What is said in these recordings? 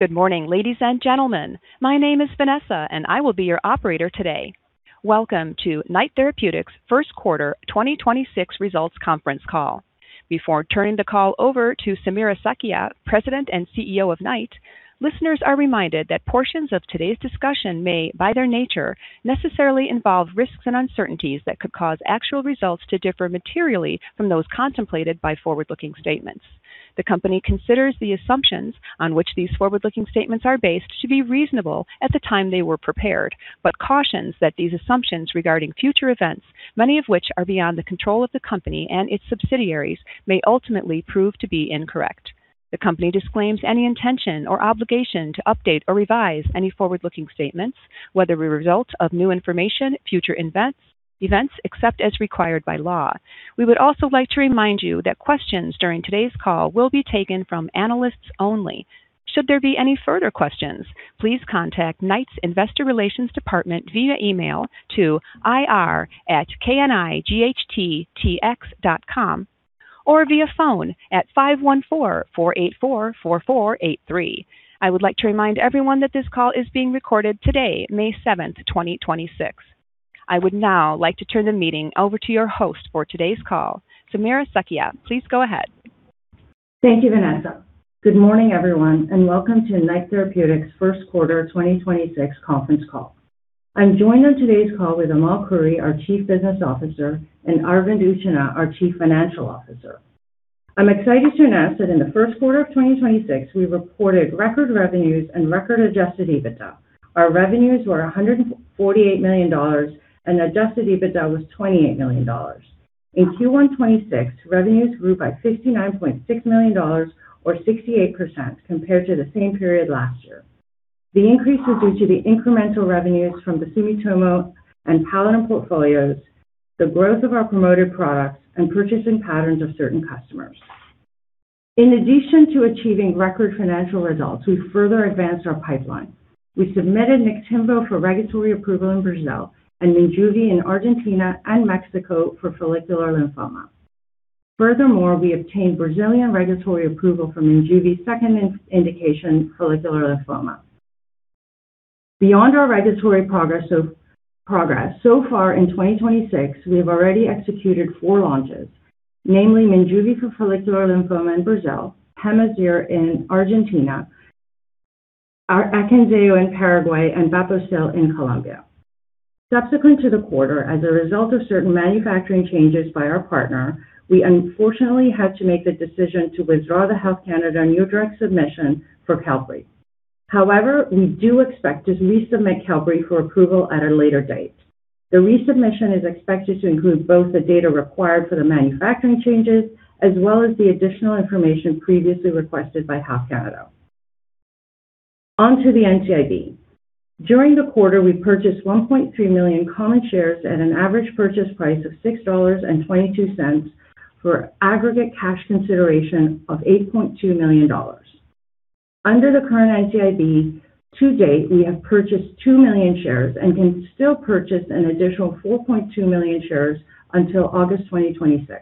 Good morning, ladies and gentlemen. My name is Vanessa, and I will be your operator today. Welcome to Knight Therapeutics first quarter 2026 results conference call. Before turning the call over to Samira Sakhia, President and CEO of Knight, listeners are reminded that portions of today's discussion may, by their nature, necessarily involve risks and uncertainties that could cause actual results to differ materially from those contemplated by forward-looking statements. The company considers the assumptions on which these forward-looking statements are based to be reasonable at the time they were prepared, but cautions that these assumptions regarding future events, many of which are beyond the control of the company and its subsidiaries, may ultimately prove to be incorrect. The company disclaims any intention or obligation to update or revise any forward-looking statements, whether the result of new information, future events, except as required by law. We would also like to remind you that questions during today's call will be taken from analysts only. Should there be any further questions, please contact Knight's Investor Relations department via email to ir@knighttx.com or via phone at 514-484-4483. I would like to remind everyone that this call is being recorded today, May 7, 2026. I would now like to turn the meeting over to your host for today's call. Samira Sakhia, please go ahead. Thank you, Vanessa. Good morning, everyone. Welcome to Knight Therapeutics first quarter 2026 conference call. I'm joined on today's call with Amal Khouri, our Chief Business Officer, and Arvind Utchanah, our Chief Financial Officer. I'm excited to announce that in the first quarter of 2026, we reported record revenues and record-adjusted EBITDA. Our revenues were 148 million dollars. Adjusted EBITDA was 28 million dollars. In Q1 2026, revenues grew by 69.6 million dollars or 68% compared to the same period last year. The increase is due to the incremental revenues from the Sumitomo and Paladin portfolios, the growth of our promoted products, and purchasing patterns of certain customers. In addition to achieving record financial results, we further advanced our pipeline. We submitted Niktimvo for regulatory approval in Brazil and Minjuvi in Argentina and Mexico for follicular lymphoma. Furthermore, we obtained Brazilian regulatory approval for Minjuvi's second in-indication follicular lymphoma. Beyond our regulatory progress, so far in 2026, we have already executed four launches, namely Minjuvi for follicular lymphoma in Brazil, Pemazyre in Argentina, our AKYNZEO in Paraguay, and Bapocil in Colombia. Subsequent to the quarter, as a result of certain manufacturing changes by our partner, we unfortunately had to make the decision to withdraw the Health Canada New Drug Submission for Qelbree. However, we do expect to resubmit Qelbree for approval at a later date. The resubmission is expected to include both the data required for the manufacturing changes as well as the additional information previously requested by Health Canada. On to the NCIB. During the quarter, we purchased 1.3 million common shares at an average purchase price of 6.22 dollars for aggregate cash consideration of 8.2 million dollars. Under the current NCIB, to date, we have purchased 2 million shares and can still purchase an additional 4.2 million shares until August 2026.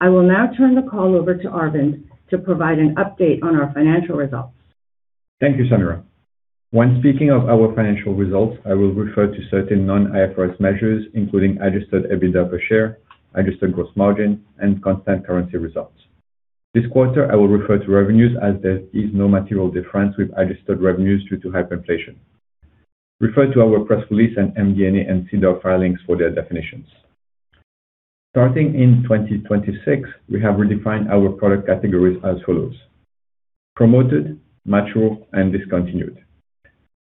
I will now turn the call over to Arvind to provide an update on our financial results. Thank you, Samira. When speaking of our financial results, I will refer to certain non-IFRS measures, including adjusted EBITDA per share, adjusted gross margin, and constant currency results. This quarter, I will refer to revenues as there is no material difference with adjusted revenues due to hyperinflation. Refer to our press release and MD&A and SEDAR filings for their definitions. Starting in 2026, we have redefined our product categories as follows: promoted, mature, and discontinued.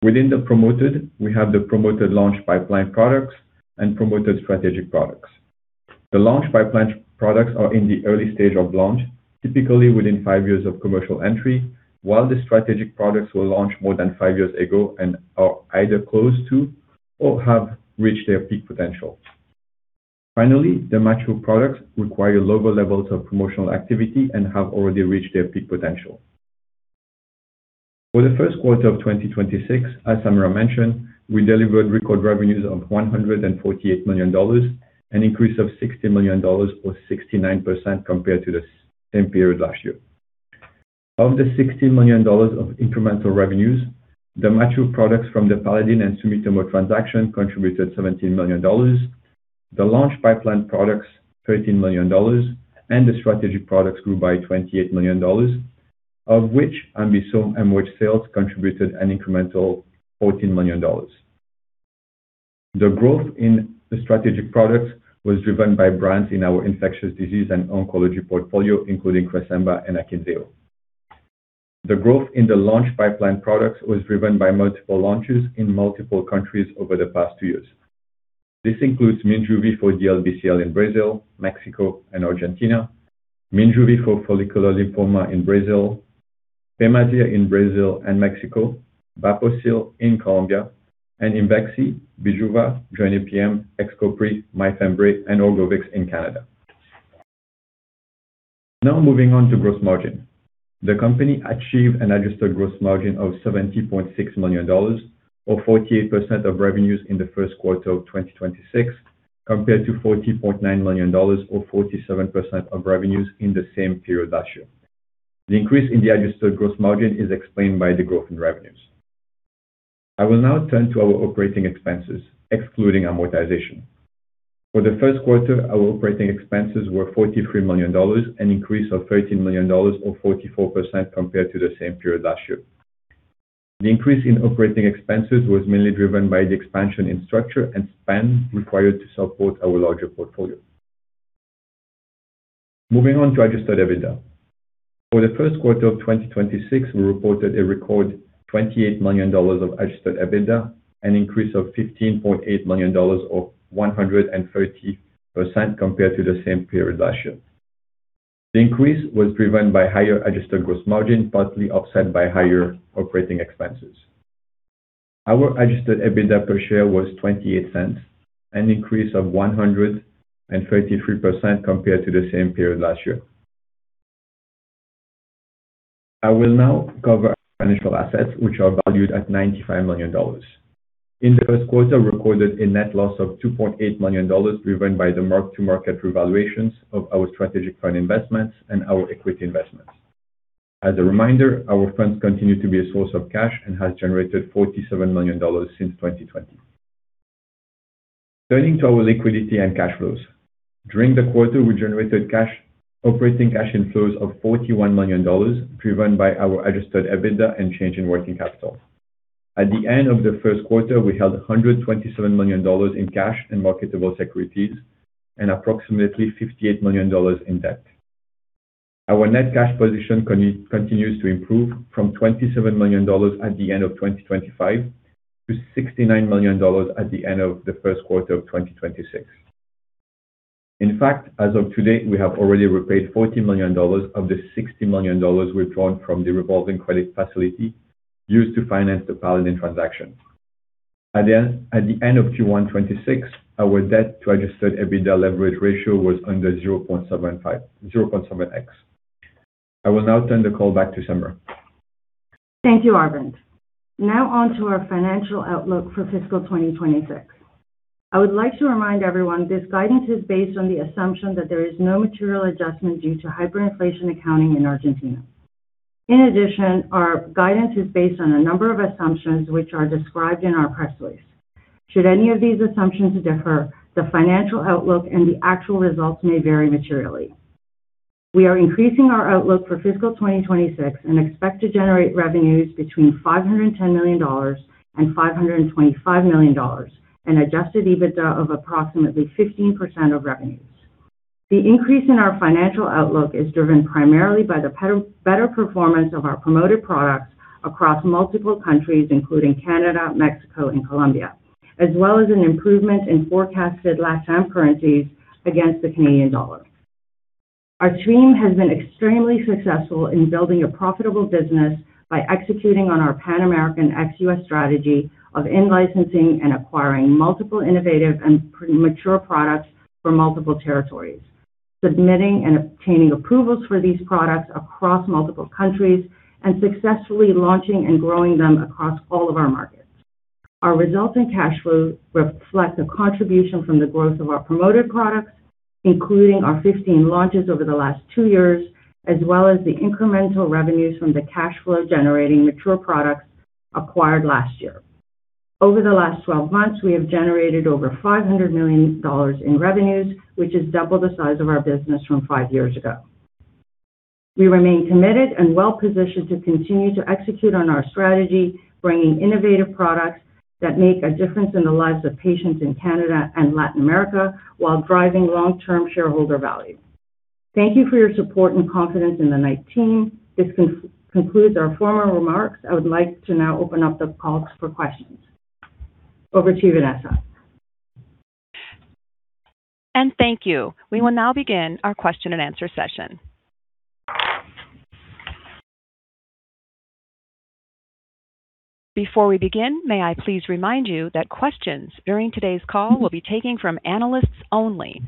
Within the promoted, we have the promoted launch pipeline products and promoted strategic products. The launch pipeline products are in the early stage of launch, typically within five years of commercial entry, while the strategic products were launched more than five years ago and are either close to or have reached their peak potential. Finally, the mature products require lower levels of promotional activity and have already reached their peak potential. For the first quarter of 2026, as Samira mentioned, we delivered record revenues of 148 million dollars, an increase of 60 million dollars or 69% compared to the same period last year. Of the 60 million dollars of incremental revenues, the mature products from the Paladin and Sumitomo transaction contributed 17 million dollars. The launch pipeline products, 13 million dollars, and the strategic products grew by 28 million dollars, of which AmBisome MOH sales contributed an incremental 14 million dollars. The growth in the strategic products was driven by brands in our infectious disease and oncology portfolio, including CRESEMBA and AKYNZEO. The growth in the launch pipeline products was driven by multiple launches in multiple countries over the past two years. This includes Minjuvi for DLBCL in Brazil, Mexico, and Argentina, Minjuvi for follicular lymphoma in Brazil, Pemazyre in Brazil and Mexico, Bapocil in Colombia, and IMVEXXY, BIJUVA, JORNAY PM, XCOPRI, Mydayis, and ORGOVYX in Canada. Now, moving on to gross margin. The company achieved an adjusted gross margin of 70.6 million dollars or 48% of revenues in the first quarter of 2026, compared to 40.9 million dollars or 47% of revenues in the same period last year. The increase in the adjusted gross margin is explained by the growth in revenues. I will now turn to our operating expenses, excluding amortization. For the first quarter, our operating expenses were 43 million dollars, an increase of 13 million dollars or 44% compared to the same period last year. The increase in operating expenses was mainly driven by the expansion in structure and spend required to support our larger portfolio. Moving on to adjusted EBITDA. For the first quarter of 2026, we reported a record 28 million dollars of adjusted EBITDA, an increase of 15.8 million dollars or 130% compared to the same period last year. The increase was driven by higher adjusted gross margin, partly offset by higher operating expenses. Our adjusted EBITDA per share was 0.28, an increase of 133% compared to the same period last year. I will now cover our financial assets, which are valued at 95 million dollars. In the first quarter, we recorded a net loss of 2.8 million dollars, driven by the mark-to-market revaluations of our strategic fund investments and our equity investments. As a reminder, our funds continue to be a source of cash and has generated 47 million dollars since 2020. Turning to our liquidity and cash flows. During the quarter, we generated cash, operating cash inflows of 41 million dollars, driven by our adjusted EBITDA and change in working capital. At the end of the first quarter, we held 127 million dollars in cash and marketable securities and approximately 58 million dollars in debt. Our net cash position continues to improve from 27 million dollars at the end of 2025 to 69 million dollars at the end of the first quarter of 2026. In fact, as of today, we have already repaid 40 million dollars of the 60 million dollars withdrawn from the revolving credit facility used to finance the Paladin transaction. At the end of Q1 2026, our debt to adjusted EBITDA leverage ratio was under 0.7x. I will now turn the call back to Samira. Thank you, Arvind. On to our financial outlook for fiscal 2026. I would like to remind everyone this guidance is based on the assumption that there is no material adjustment due to hyperinflation accounting in Argentina. Our guidance is based on a number of assumptions which are described in our press release. Should any of these assumptions differ, the financial outlook and the actual results may vary materially. We are increasing our outlook for fiscal 2026 and expect to generate revenues between 510 million dollars and 525 million dollars and adjusted EBITDA of approximately 15% of revenues. The increase in our financial outlook is driven primarily by the better performance of our promoted products across multiple countries, including Canada, Mexico, and Colombia, as well as an improvement in forecasted LATAM currencies against the Canadian dollar. Our team has been extremely successful in building a profitable business by executing on our Pan-American ex-US strategy of in-licensing and acquiring multiple innovative and premature products for multiple territories, submitting and obtaining approvals for these products across multiple countries and successfully launching and growing them across all of our markets. Our results in cash flow reflect the contribution from the growth of our promoted products, including our 15 launches over the last two years, as well as the incremental revenues from the cash flow-generating mature products acquired last year. Over the last twelve months, we have generated over 500 million dollars in revenues, which is double the size of our business from five years ago. We remain committed and well-positioned to continue to execute on our strategy, bringing innovative products that make a difference in the lives of patients in Canada and Latin America while driving long-term shareholder value. Thank you for your support and confidence in the Knight team. This concludes our formal remarks. I would like to now open up the calls for questions. Over to you, Vanessa. Thank you. We will now begin our question-and-answer session. Before we begin, may I please remind you that questions during today's call will be taken from analysts only.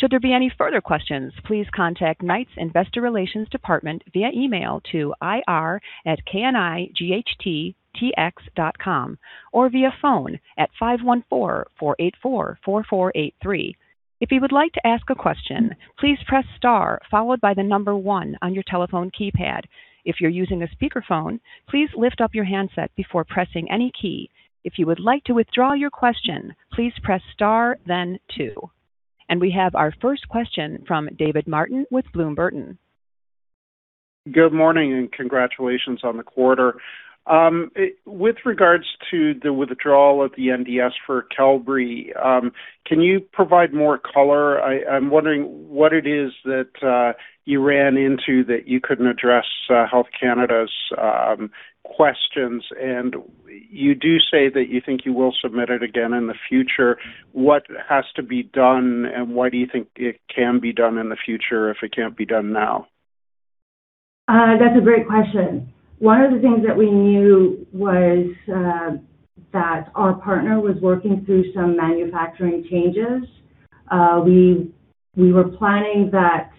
Should there be any further questions, please contact Knight Therapeutics' Investor Relations department via email to ir@knighttx.com or via phone at 514 484 4483. If you would like to ask a question, please press star followed by one on your telephone keypad. If you're using a speakerphone, please lift up your handset before pressing any key. If you would like to withdraw your question, please press star then two. We have our first question from David Martin with Bloom Burton. Good morning, congratulations on the quarter. With regards to the withdrawal of the NDS for Qelbree, can you provide more color? I'm wondering what it is that you ran into that you couldn't address Health Canada's questions. You do say that you think you will submit it again in the future. What has to be done, and why do you think it can be done in the future if it can't be done now? That's a great question. One of the things that we knew was that our partner was working through some manufacturing changes. We were planning that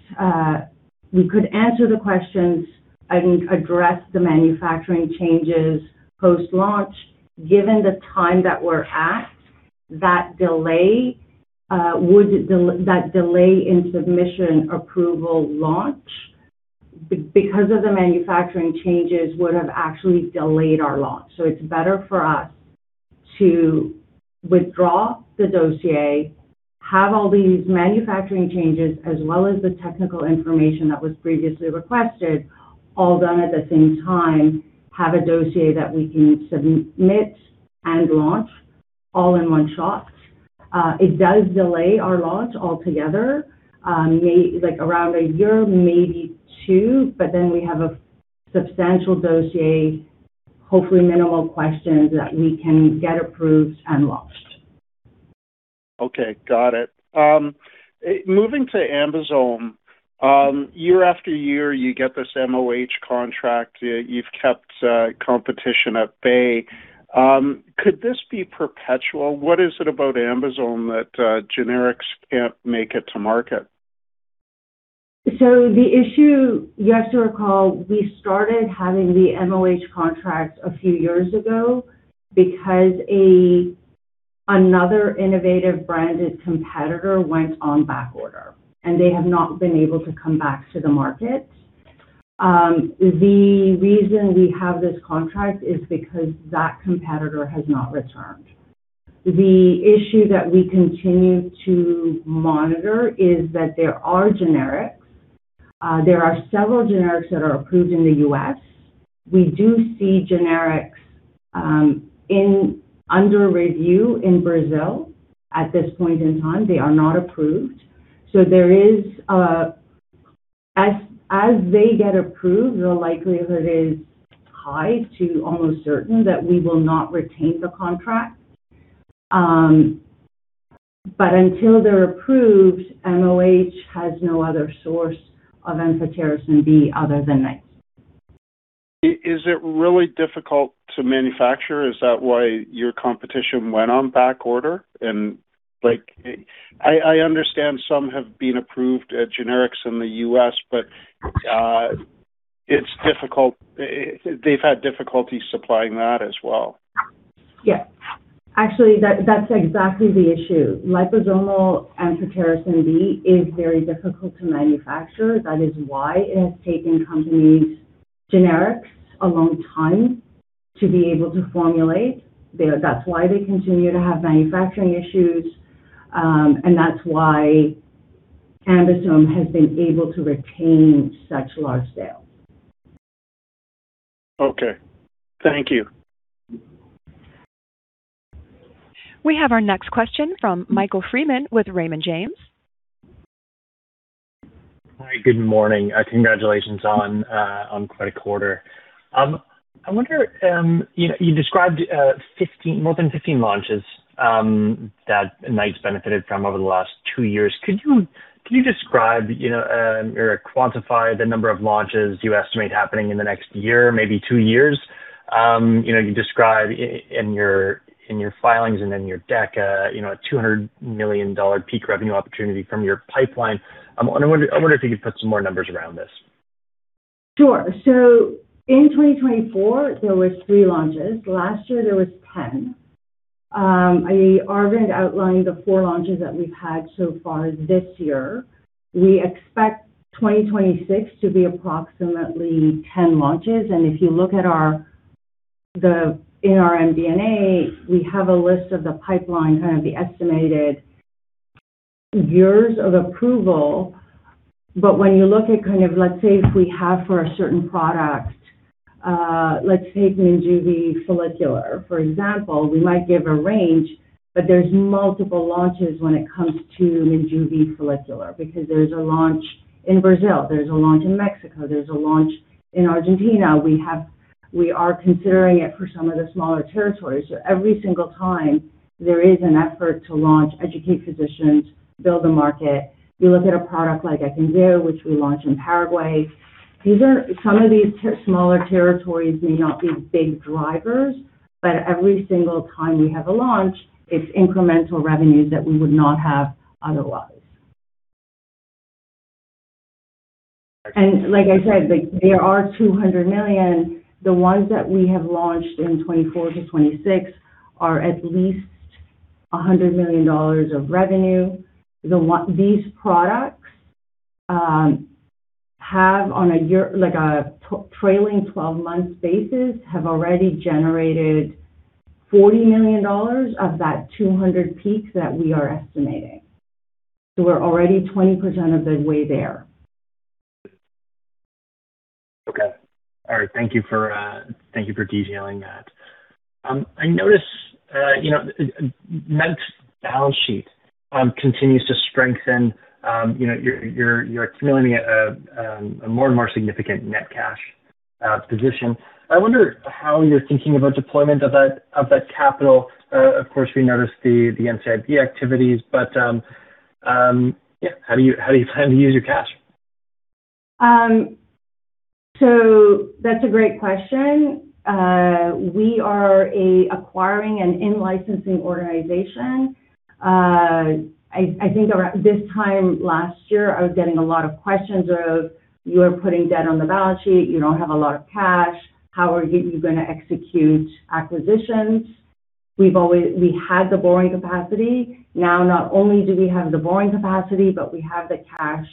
we could answer the questions and address the manufacturing changes post-launch. Given the time that we're at, that delay in submission approval launch, because of the manufacturing changes, would have actually delayed our launch. It's better for us to withdraw the dossier, have all these manufacturing changes as well as the technical information that was previously requested all done at the same time, have a dossier that we can submit and launch all in one shot. It does delay our launch altogether, around a year, maybe two, we have a substantial dossier, hopefully minimal questions that we can get approved and launched. Okay, got it. moving to AmBisome. year after year, you get this MOH contract. You've kept competition at bay. Could this be perpetual? What is it about AmBisome that generics can't make it to market? The issue, you have to recall, we started having the MOH contract a few years ago because another innovative branded competitor went on back order, and they have not been able to come back to the market. The reason we have this contract is because that competitor has not returned. The issue that we continue to monitor is that there are generics. There are several generics that are approved in the U.S. We do see generics under review in Brazil. At this point in time, they are not approved. There is, as they get approved, the likelihood is high to almost certain that we will not retain the contract. But until they're approved, MOH has no other source of amphotericin B other than Knight. Is it really difficult to manufacture? Is that why your competition went on back order and like I understand some have been approved, generics in the U.S., but it's difficult. They've had difficulty supplying that as well. Yeah. Actually, that's exactly the issue. Liposomal amphotericin B is very difficult to manufacture. That is why it has taken companies generics a long time to be able to formulate. That's why they continue to have manufacturing issues. That's why AmBisome has been able to retain such large scale. Okay. Thank you. We have our next question from Michael Freeman with Raymond James. Hi, good morning. Congratulations on quite a quarter. I wonder, you described 15, more than 15 launches that Knight's benefited from over the last two years. Could you describe, you know, or quantify the number of launches you estimate happening in the next year, maybe 2 years? You know, you describe in your filings and in your deck, you know, a 200 million dollar peak revenue opportunity from your pipeline. I wonder if you could put some more numbers around this. Sure. In 2024, there was 3 launches. Last year, there was 10. Arvind Utchanah outlined the 4 launches that we've had so far this year. We expect 2026 to be approximately 10 launches. If you look at our MD&A, we have a list of the pipeline, kind of the estimated years of approval. When you look at kind of, let's say, if we have for a certain product, let's take Minjuvi, for example. We might give a range, but there's multiple launches when it comes to Minjuvi because there's a launch in Brazil, there's a launch in Mexico, there's a launch in Argentina. We are considering it for some of the smaller territories. Every single time there is an effort to launch, educate physicians, build a market. You look at a product like AKYNZEO, which we launched in Paraguay. Some of these smaller territories may not be big drivers, but every single time we have a launch, it's incremental revenues that we would not have otherwise. Like I said, like there are 200 million. The ones that we have launched in 2024 to 2026 are at least 100 million dollars of revenue. These products have on a year, like a trailing-12-month basis, have already generated 40 million dollars of that 200 peak that we are estimating. We're already 20% of the way there. Okay. All right. Thank you for detailing that. I notice Knight's balance sheet continues to strengthen. You're accumulating a more and more significant net cash position. I wonder how you're thinking about deployment of that capital. Of course, we noticed the NCIB activities. How do you plan to use your cash? That's a great question. We are a acquiring and in-licensing organization. I think around this time last year, I was getting a lot of questions of, 'You're putting debt on the balance sheet. You don't have a lot of cash. How are you gonna execute acquisitions?' We had the borrowing capacity. Now, not only do we have the borrowing capacity, but we have the cash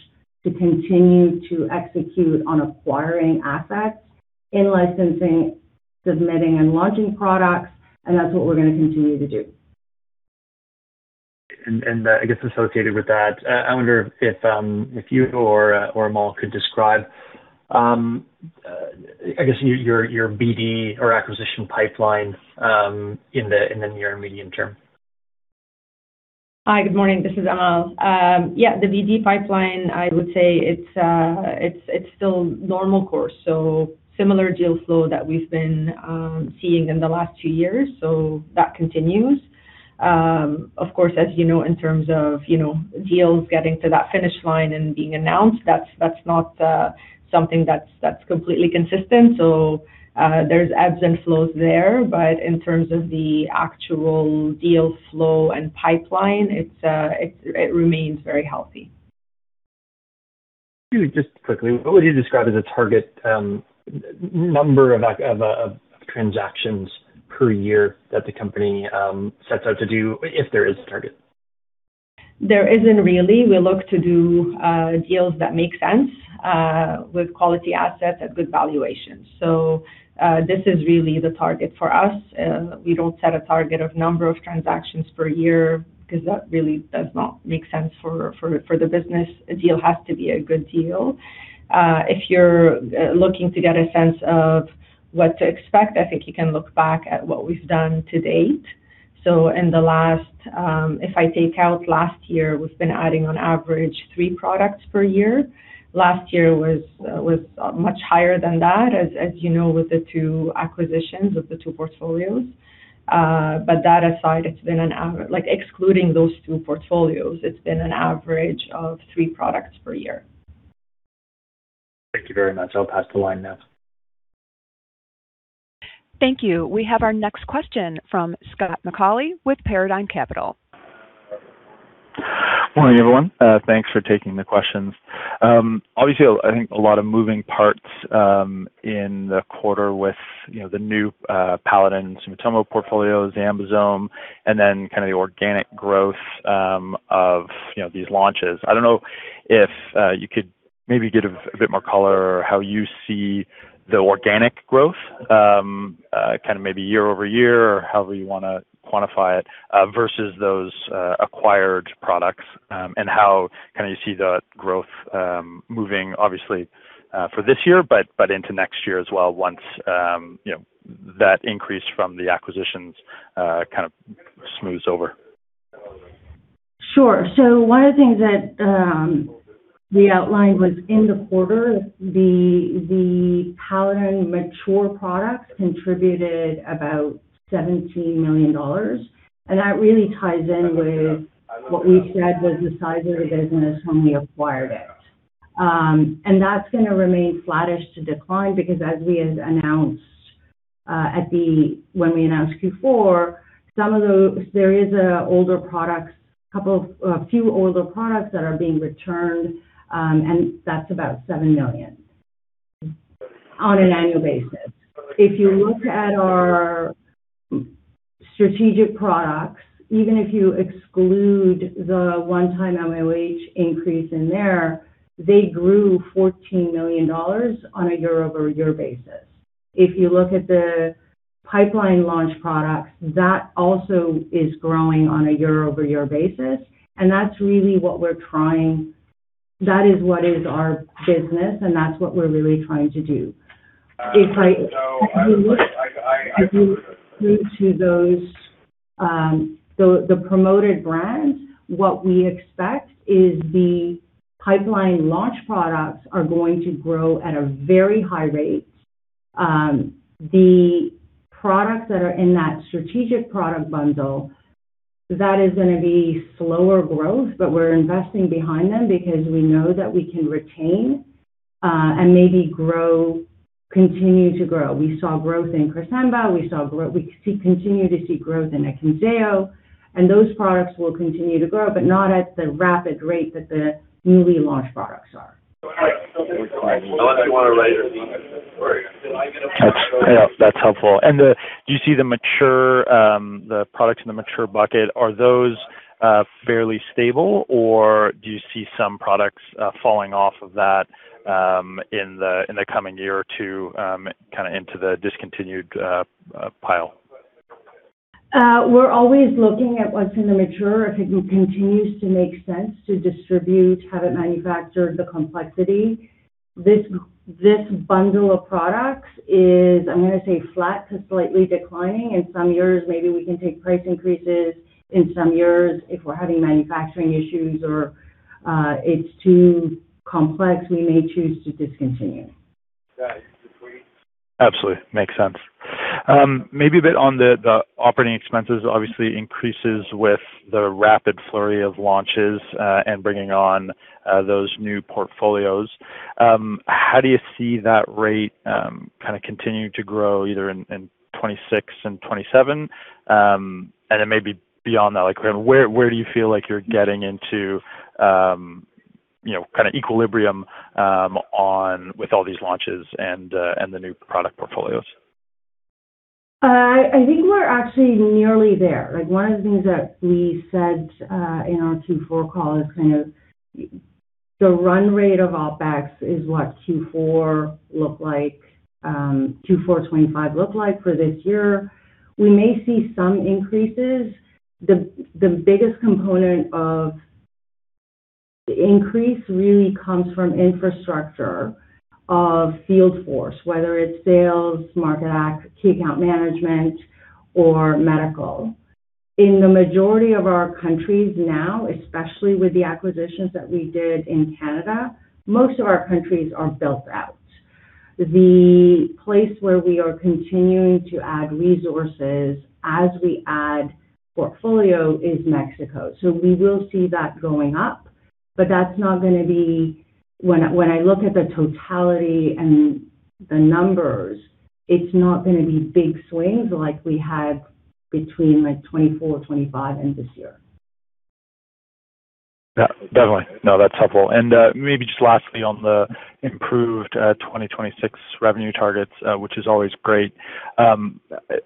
to continue to execute on acquiring assets, in-licensing, submitting, and launching products, and that's what we're gonna continue to do. I guess associated with that, I wonder if you or Amal could describe, I guess your BD or acquisition pipeline in the near and medium term. Hi. Good morning. This is Amal. Yeah, the BD pipeline, I would say it's still normal course. Similar deal flow that we've been seeing in the last two years, so that continues. Of course, as you know, in terms of, you know, deals getting to that finish line and being announced, that's not something that's completely consistent. There's ebbs and flows there. In terms of the actual deal flow and pipeline, it remains very healthy. Just quickly, what would you describe as a target, number of transactions per year that the company sets out to do if there is a target? There isn't really. We look to do deals that make sense with quality assets at good valuations. This is really the target for us. We don't set a target of number of transactions per year because that really does not make sense for the business. A deal has to be a good deal. If you're looking to get a sense of what to expect, I think you can look back at what we've done to date. In the last, if I take out last year, we've been adding on average 3 products per year. Last year was much higher than that, as you know, with the 2 acquisitions, with the 2 portfolios. That aside, excluding those 2 portfolios, it's been an average of 3 products per year. Thank you very much. I'll pass the line now. Thank you. We have our next question from Scott McAuley with Paradigm Capital. Morning, everyone. Thanks for taking the questions. Obviously, I think a lot of moving parts in the quarter with, you know, the new Paladin Sumitomo portfolio, AmBisome, and then kinda the organic growth of, you know, these launches. I don't know if you could maybe give a bit more color how you see the organic growth kinda maybe year-over-year or however you wanna quantify it versus those acquired products, and how kinda you see the growth moving obviously for this year, but into next year as well once, you know, that increase from the acquisitions kind of smooths over. Sure. One of the things that we outlined was in the quarter, the Paladin mature products contributed about 17 million dollars. That really ties in with what we said was the size of the business when we acquired it. That's gonna remain flattish to decline because as we had announced when we announced Q4, there is older products, a couple of, a few older products that are being returned, and that's about 7 million on an annual basis. If you look at our strategic products, even if you exclude the one-time MOH increase in there, they grew 14 million dollars on a year-over-year basis. If you look at the pipeline launch products, that also is growing on a year-over-year basis. That is what is our business, and that's what we're really trying to do. If you move to those, the promoted brands, what we expect is the pipeline launch products are going to grow at a very high rate. The products that are in that strategic product bundle, that is gonna be slower growth. We're investing behind them because we know that we can retain and maybe grow, continue to grow. We saw growth in Cresemba. We continue to see growth in AKYNZEO. Those products will continue to grow, but not at the rapid rate that the newly launched products are. That's, yeah, that's helpful. Do you see the mature, the products in the mature bucket, are those fairly stable, or do you see some products falling off of that in the coming year or two kinda into the discontinued pile? We're always looking at what's in the mature. If it continues to make sense to distribute, have it manufactured, the complexity. This bundle of products is, I'm going to say, flat to slightly declining. In some years, maybe we can take price increases. In some years, if we're having manufacturing issues or, it's too complex, we may choose to discontinue. Got it. Absolutely. Makes sense. Maybe a bit on the operating expenses obviously increases with the rapid flurry of launches and bringing on those new portfolios. How do you see that rate kinda continuing to grow either in 2026 and 2027 and then maybe beyond that? Like where do you feel like you're getting into, you know, kinda equilibrium on with all these launches and the new product portfolios? I think we're actually nearly there. Like, one of the things that we said in our Q4 call is kind of the run rate of OpEx is what Q4 looked like, Q4 2025 looked like for this year. We may see some increases. The biggest component of the increase really comes from infrastructure of field force, whether it's sales, key account management, or medical. In the majority of our countries now, especially with the acquisitions that we did in Canada, most of our countries are built out. The place where we are continuing to add resources as we add portfolio is Mexico. We will see that going up. When I look at the totality and the numbers, it's not gonna be big swings like we had between 2024, 2025, and this year. Yeah, definitely. No, that's helpful. Maybe just lastly on the improved 2026 revenue targets, which is always great. I don't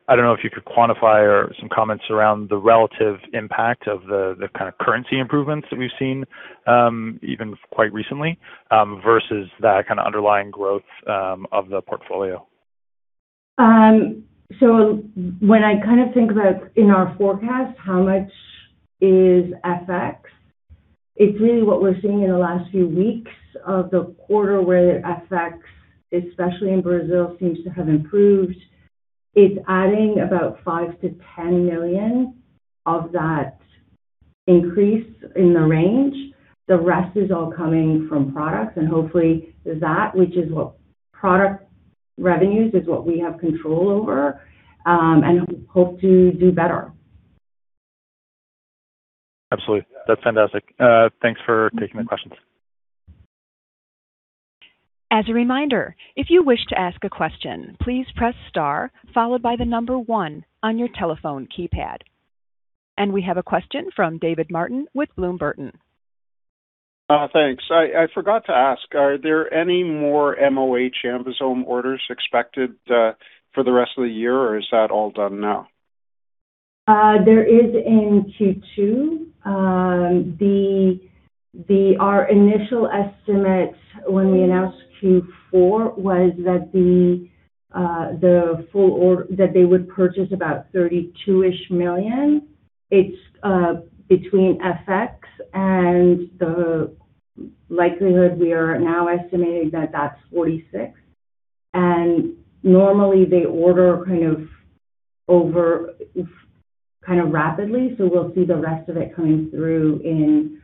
know if you could quantify or some comments around the relative impact of the kind of currency improvements that we've seen, even quite recently, versus the kind of underlying growth of the portfolio. When I kind of think about in our forecast how much is FX, it's really what we're seeing in the last few weeks of the quarter where FX, especially in Brazil, seems to have improved. It's adding about 5 million-10 million of that increase in the range. The rest is all coming from products and hopefully that, which is what product revenues is what we have control over, and hope to do better. Absolutely. That's fantastic. Thanks for taking my questions. As a reminder, if you wish to ask a question, please press star followed by one on your telephone keypad. We have a question from David Martin with Bloom Burton. Thanks. I forgot to ask, are there any more MOH AmBisome orders expected for the rest of the year, or is that all done now? There is in Q2. Our initial estimate when we announced Q4 was that the full or that they would purchase about 32 million-ish. It's between FX and the likelihood we are now estimating that that's 46 million. Normally they order kind of over, kind of rapidly, so we'll see the rest of it coming through in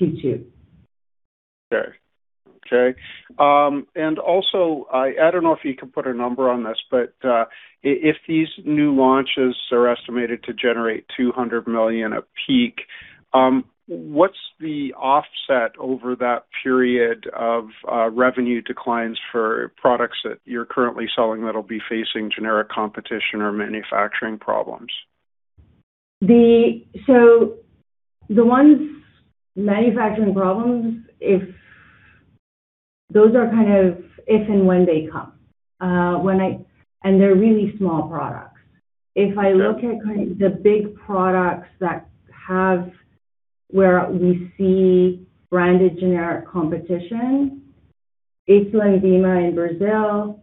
Q2. Okay. Okay. Also, I don't know if you can put a number on this, but if these new launches are estimated to generate 200 million a peak, what's the offset over that period of revenue declines for products that you're currently selling that'll be facing generic competition or manufacturing problems? The ones manufacturing problems, those are kind of if and when they come. They're really small products. If I look at kind of the big products where we see branded generic competition, it's LENVIMA in Brazil.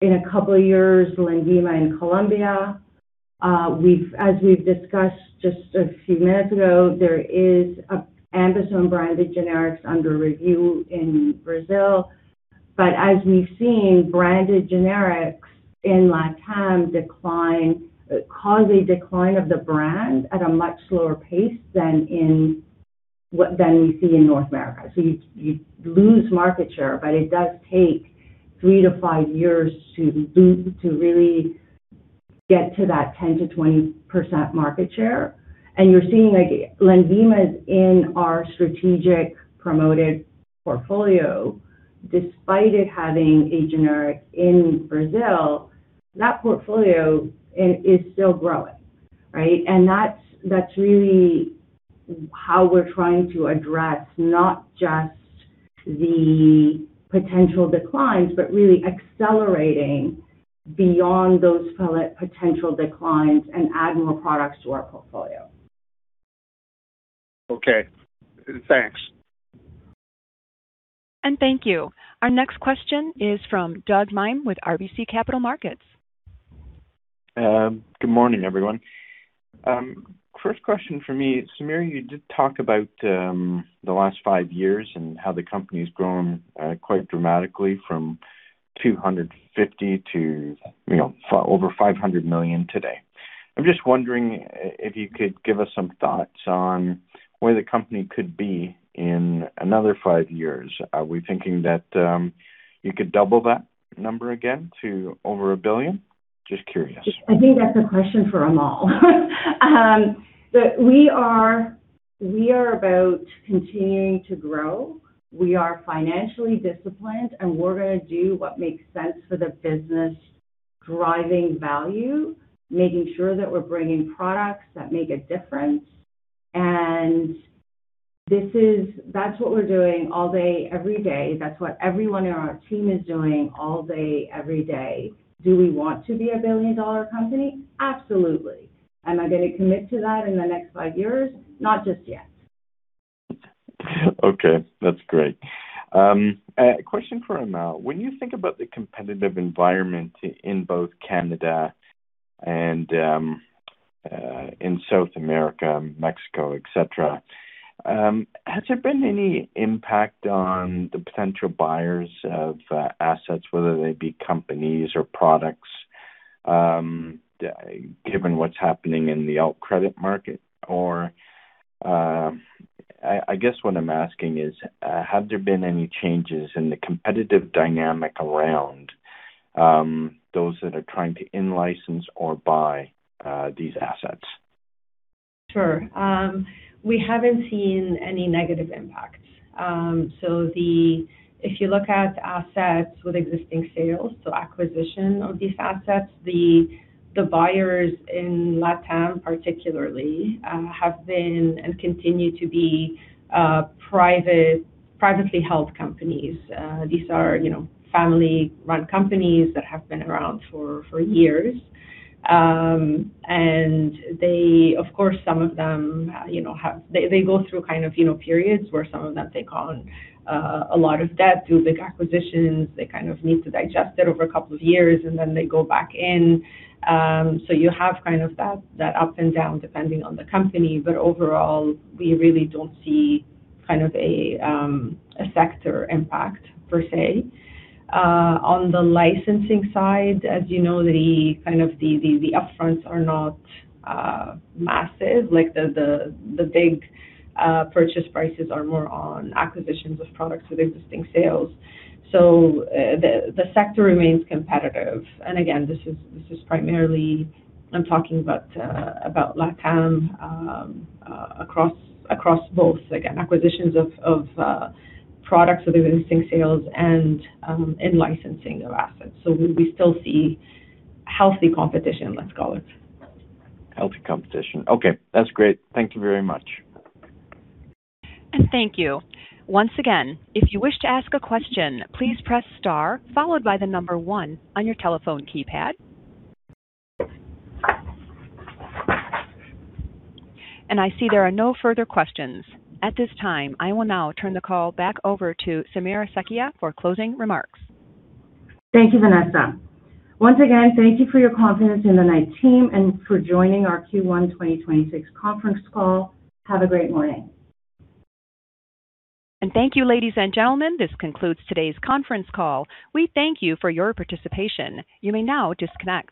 In a couple years, LENVIMA in Colombia. As we've discussed just a few minutes ago, there is a AmBisome branded generics under review in Brazil. As we've seen, branded generics in LATAM decline, cause a decline of the brand at a much slower pace than we see in North America. You, you lose market share, but it does take 3-5 years to really get to that 10%-20% market share. You're seeing like LENVIMA is in our strategic promoted portfolio despite it having a generic in Brazil. That portfolio is still growing, right? That's really how we're trying to address not just the potential declines, but really accelerating beyond those potential declines and adding more products to our portfolio. Okay. Thanks. Thank you. Our next question is from Doug Miehm with RBC Capital Markets. Good morning, everyone. First question for me. Samira, you did talk about the last 5 years and how the company's grown quite dramatically from 250 million to over 500 million today. I'm just wondering if you could give us some thoughts on where the company could be in another 5 years. Are we thinking that you could double that number again to over 1 billion? Just curious. I think that's a question for Amal Khouri. We are about continuing to grow. We are financially disciplined, we're gonna do what makes sense for the business driving value, making sure that we're bringing products that make a difference. That's what we're doing all day, every day. That's what everyone in our team is doing all day, every day. Do we want to be a billion-dollar company? Absolutely. Am I gonna commit to that in the next five years? Not just yet. Okay, that's great. A question for Amal. When you think about the competitive environment in both Canada and in South America, Mexico, et cetera, has there been any impact on the potential buyers of assets, whether they be companies or products, given what's happening in the alt credit market? I guess what I'm asking is, have there been any changes in the competitive dynamic around those that are trying to in-license or buy these assets? Sure. We haven't seen any negative impacts. If you look at assets with existing sales, acquisition of these assets, the buyers in LATAM particularly have been and continue to be privately held companies. These are, you know, family-run companies that have been around for years. And they, of course, some of them, you know, go through kind of, you know, periods where some of them take on a lot of debt through big acquisitions. They kind of need to digest it over a couple of years, and then they go back in. You have kind of that up and down depending on the company. But overall, we really don't see kind of a sector impact per se. On the licensing side, as you know, the kind of the upfronts are not massive. Like, the big purchase prices are more on acquisitions of products with existing sales. The sector remains competitive. Again, this is primarily, I'm talking about LATAM, across both, again, acquisitions of products with existing sales and in licensing of assets. We still see healthy competition, let's call it. Healthy competition. Okay, that's great. Thank you very much. Thank you. I see there are no further questions. At this time, I will now turn the call back over to Samira Sakhia for closing remarks. Thank you, Vanessa. Once again, thank you for your confidence in the Knight team and for joining our Q1 2026 conference call. Have a great morning. Thank you, ladies and gentlemen. This concludes today's conference call. We thank you for your participation. You may now disconnect.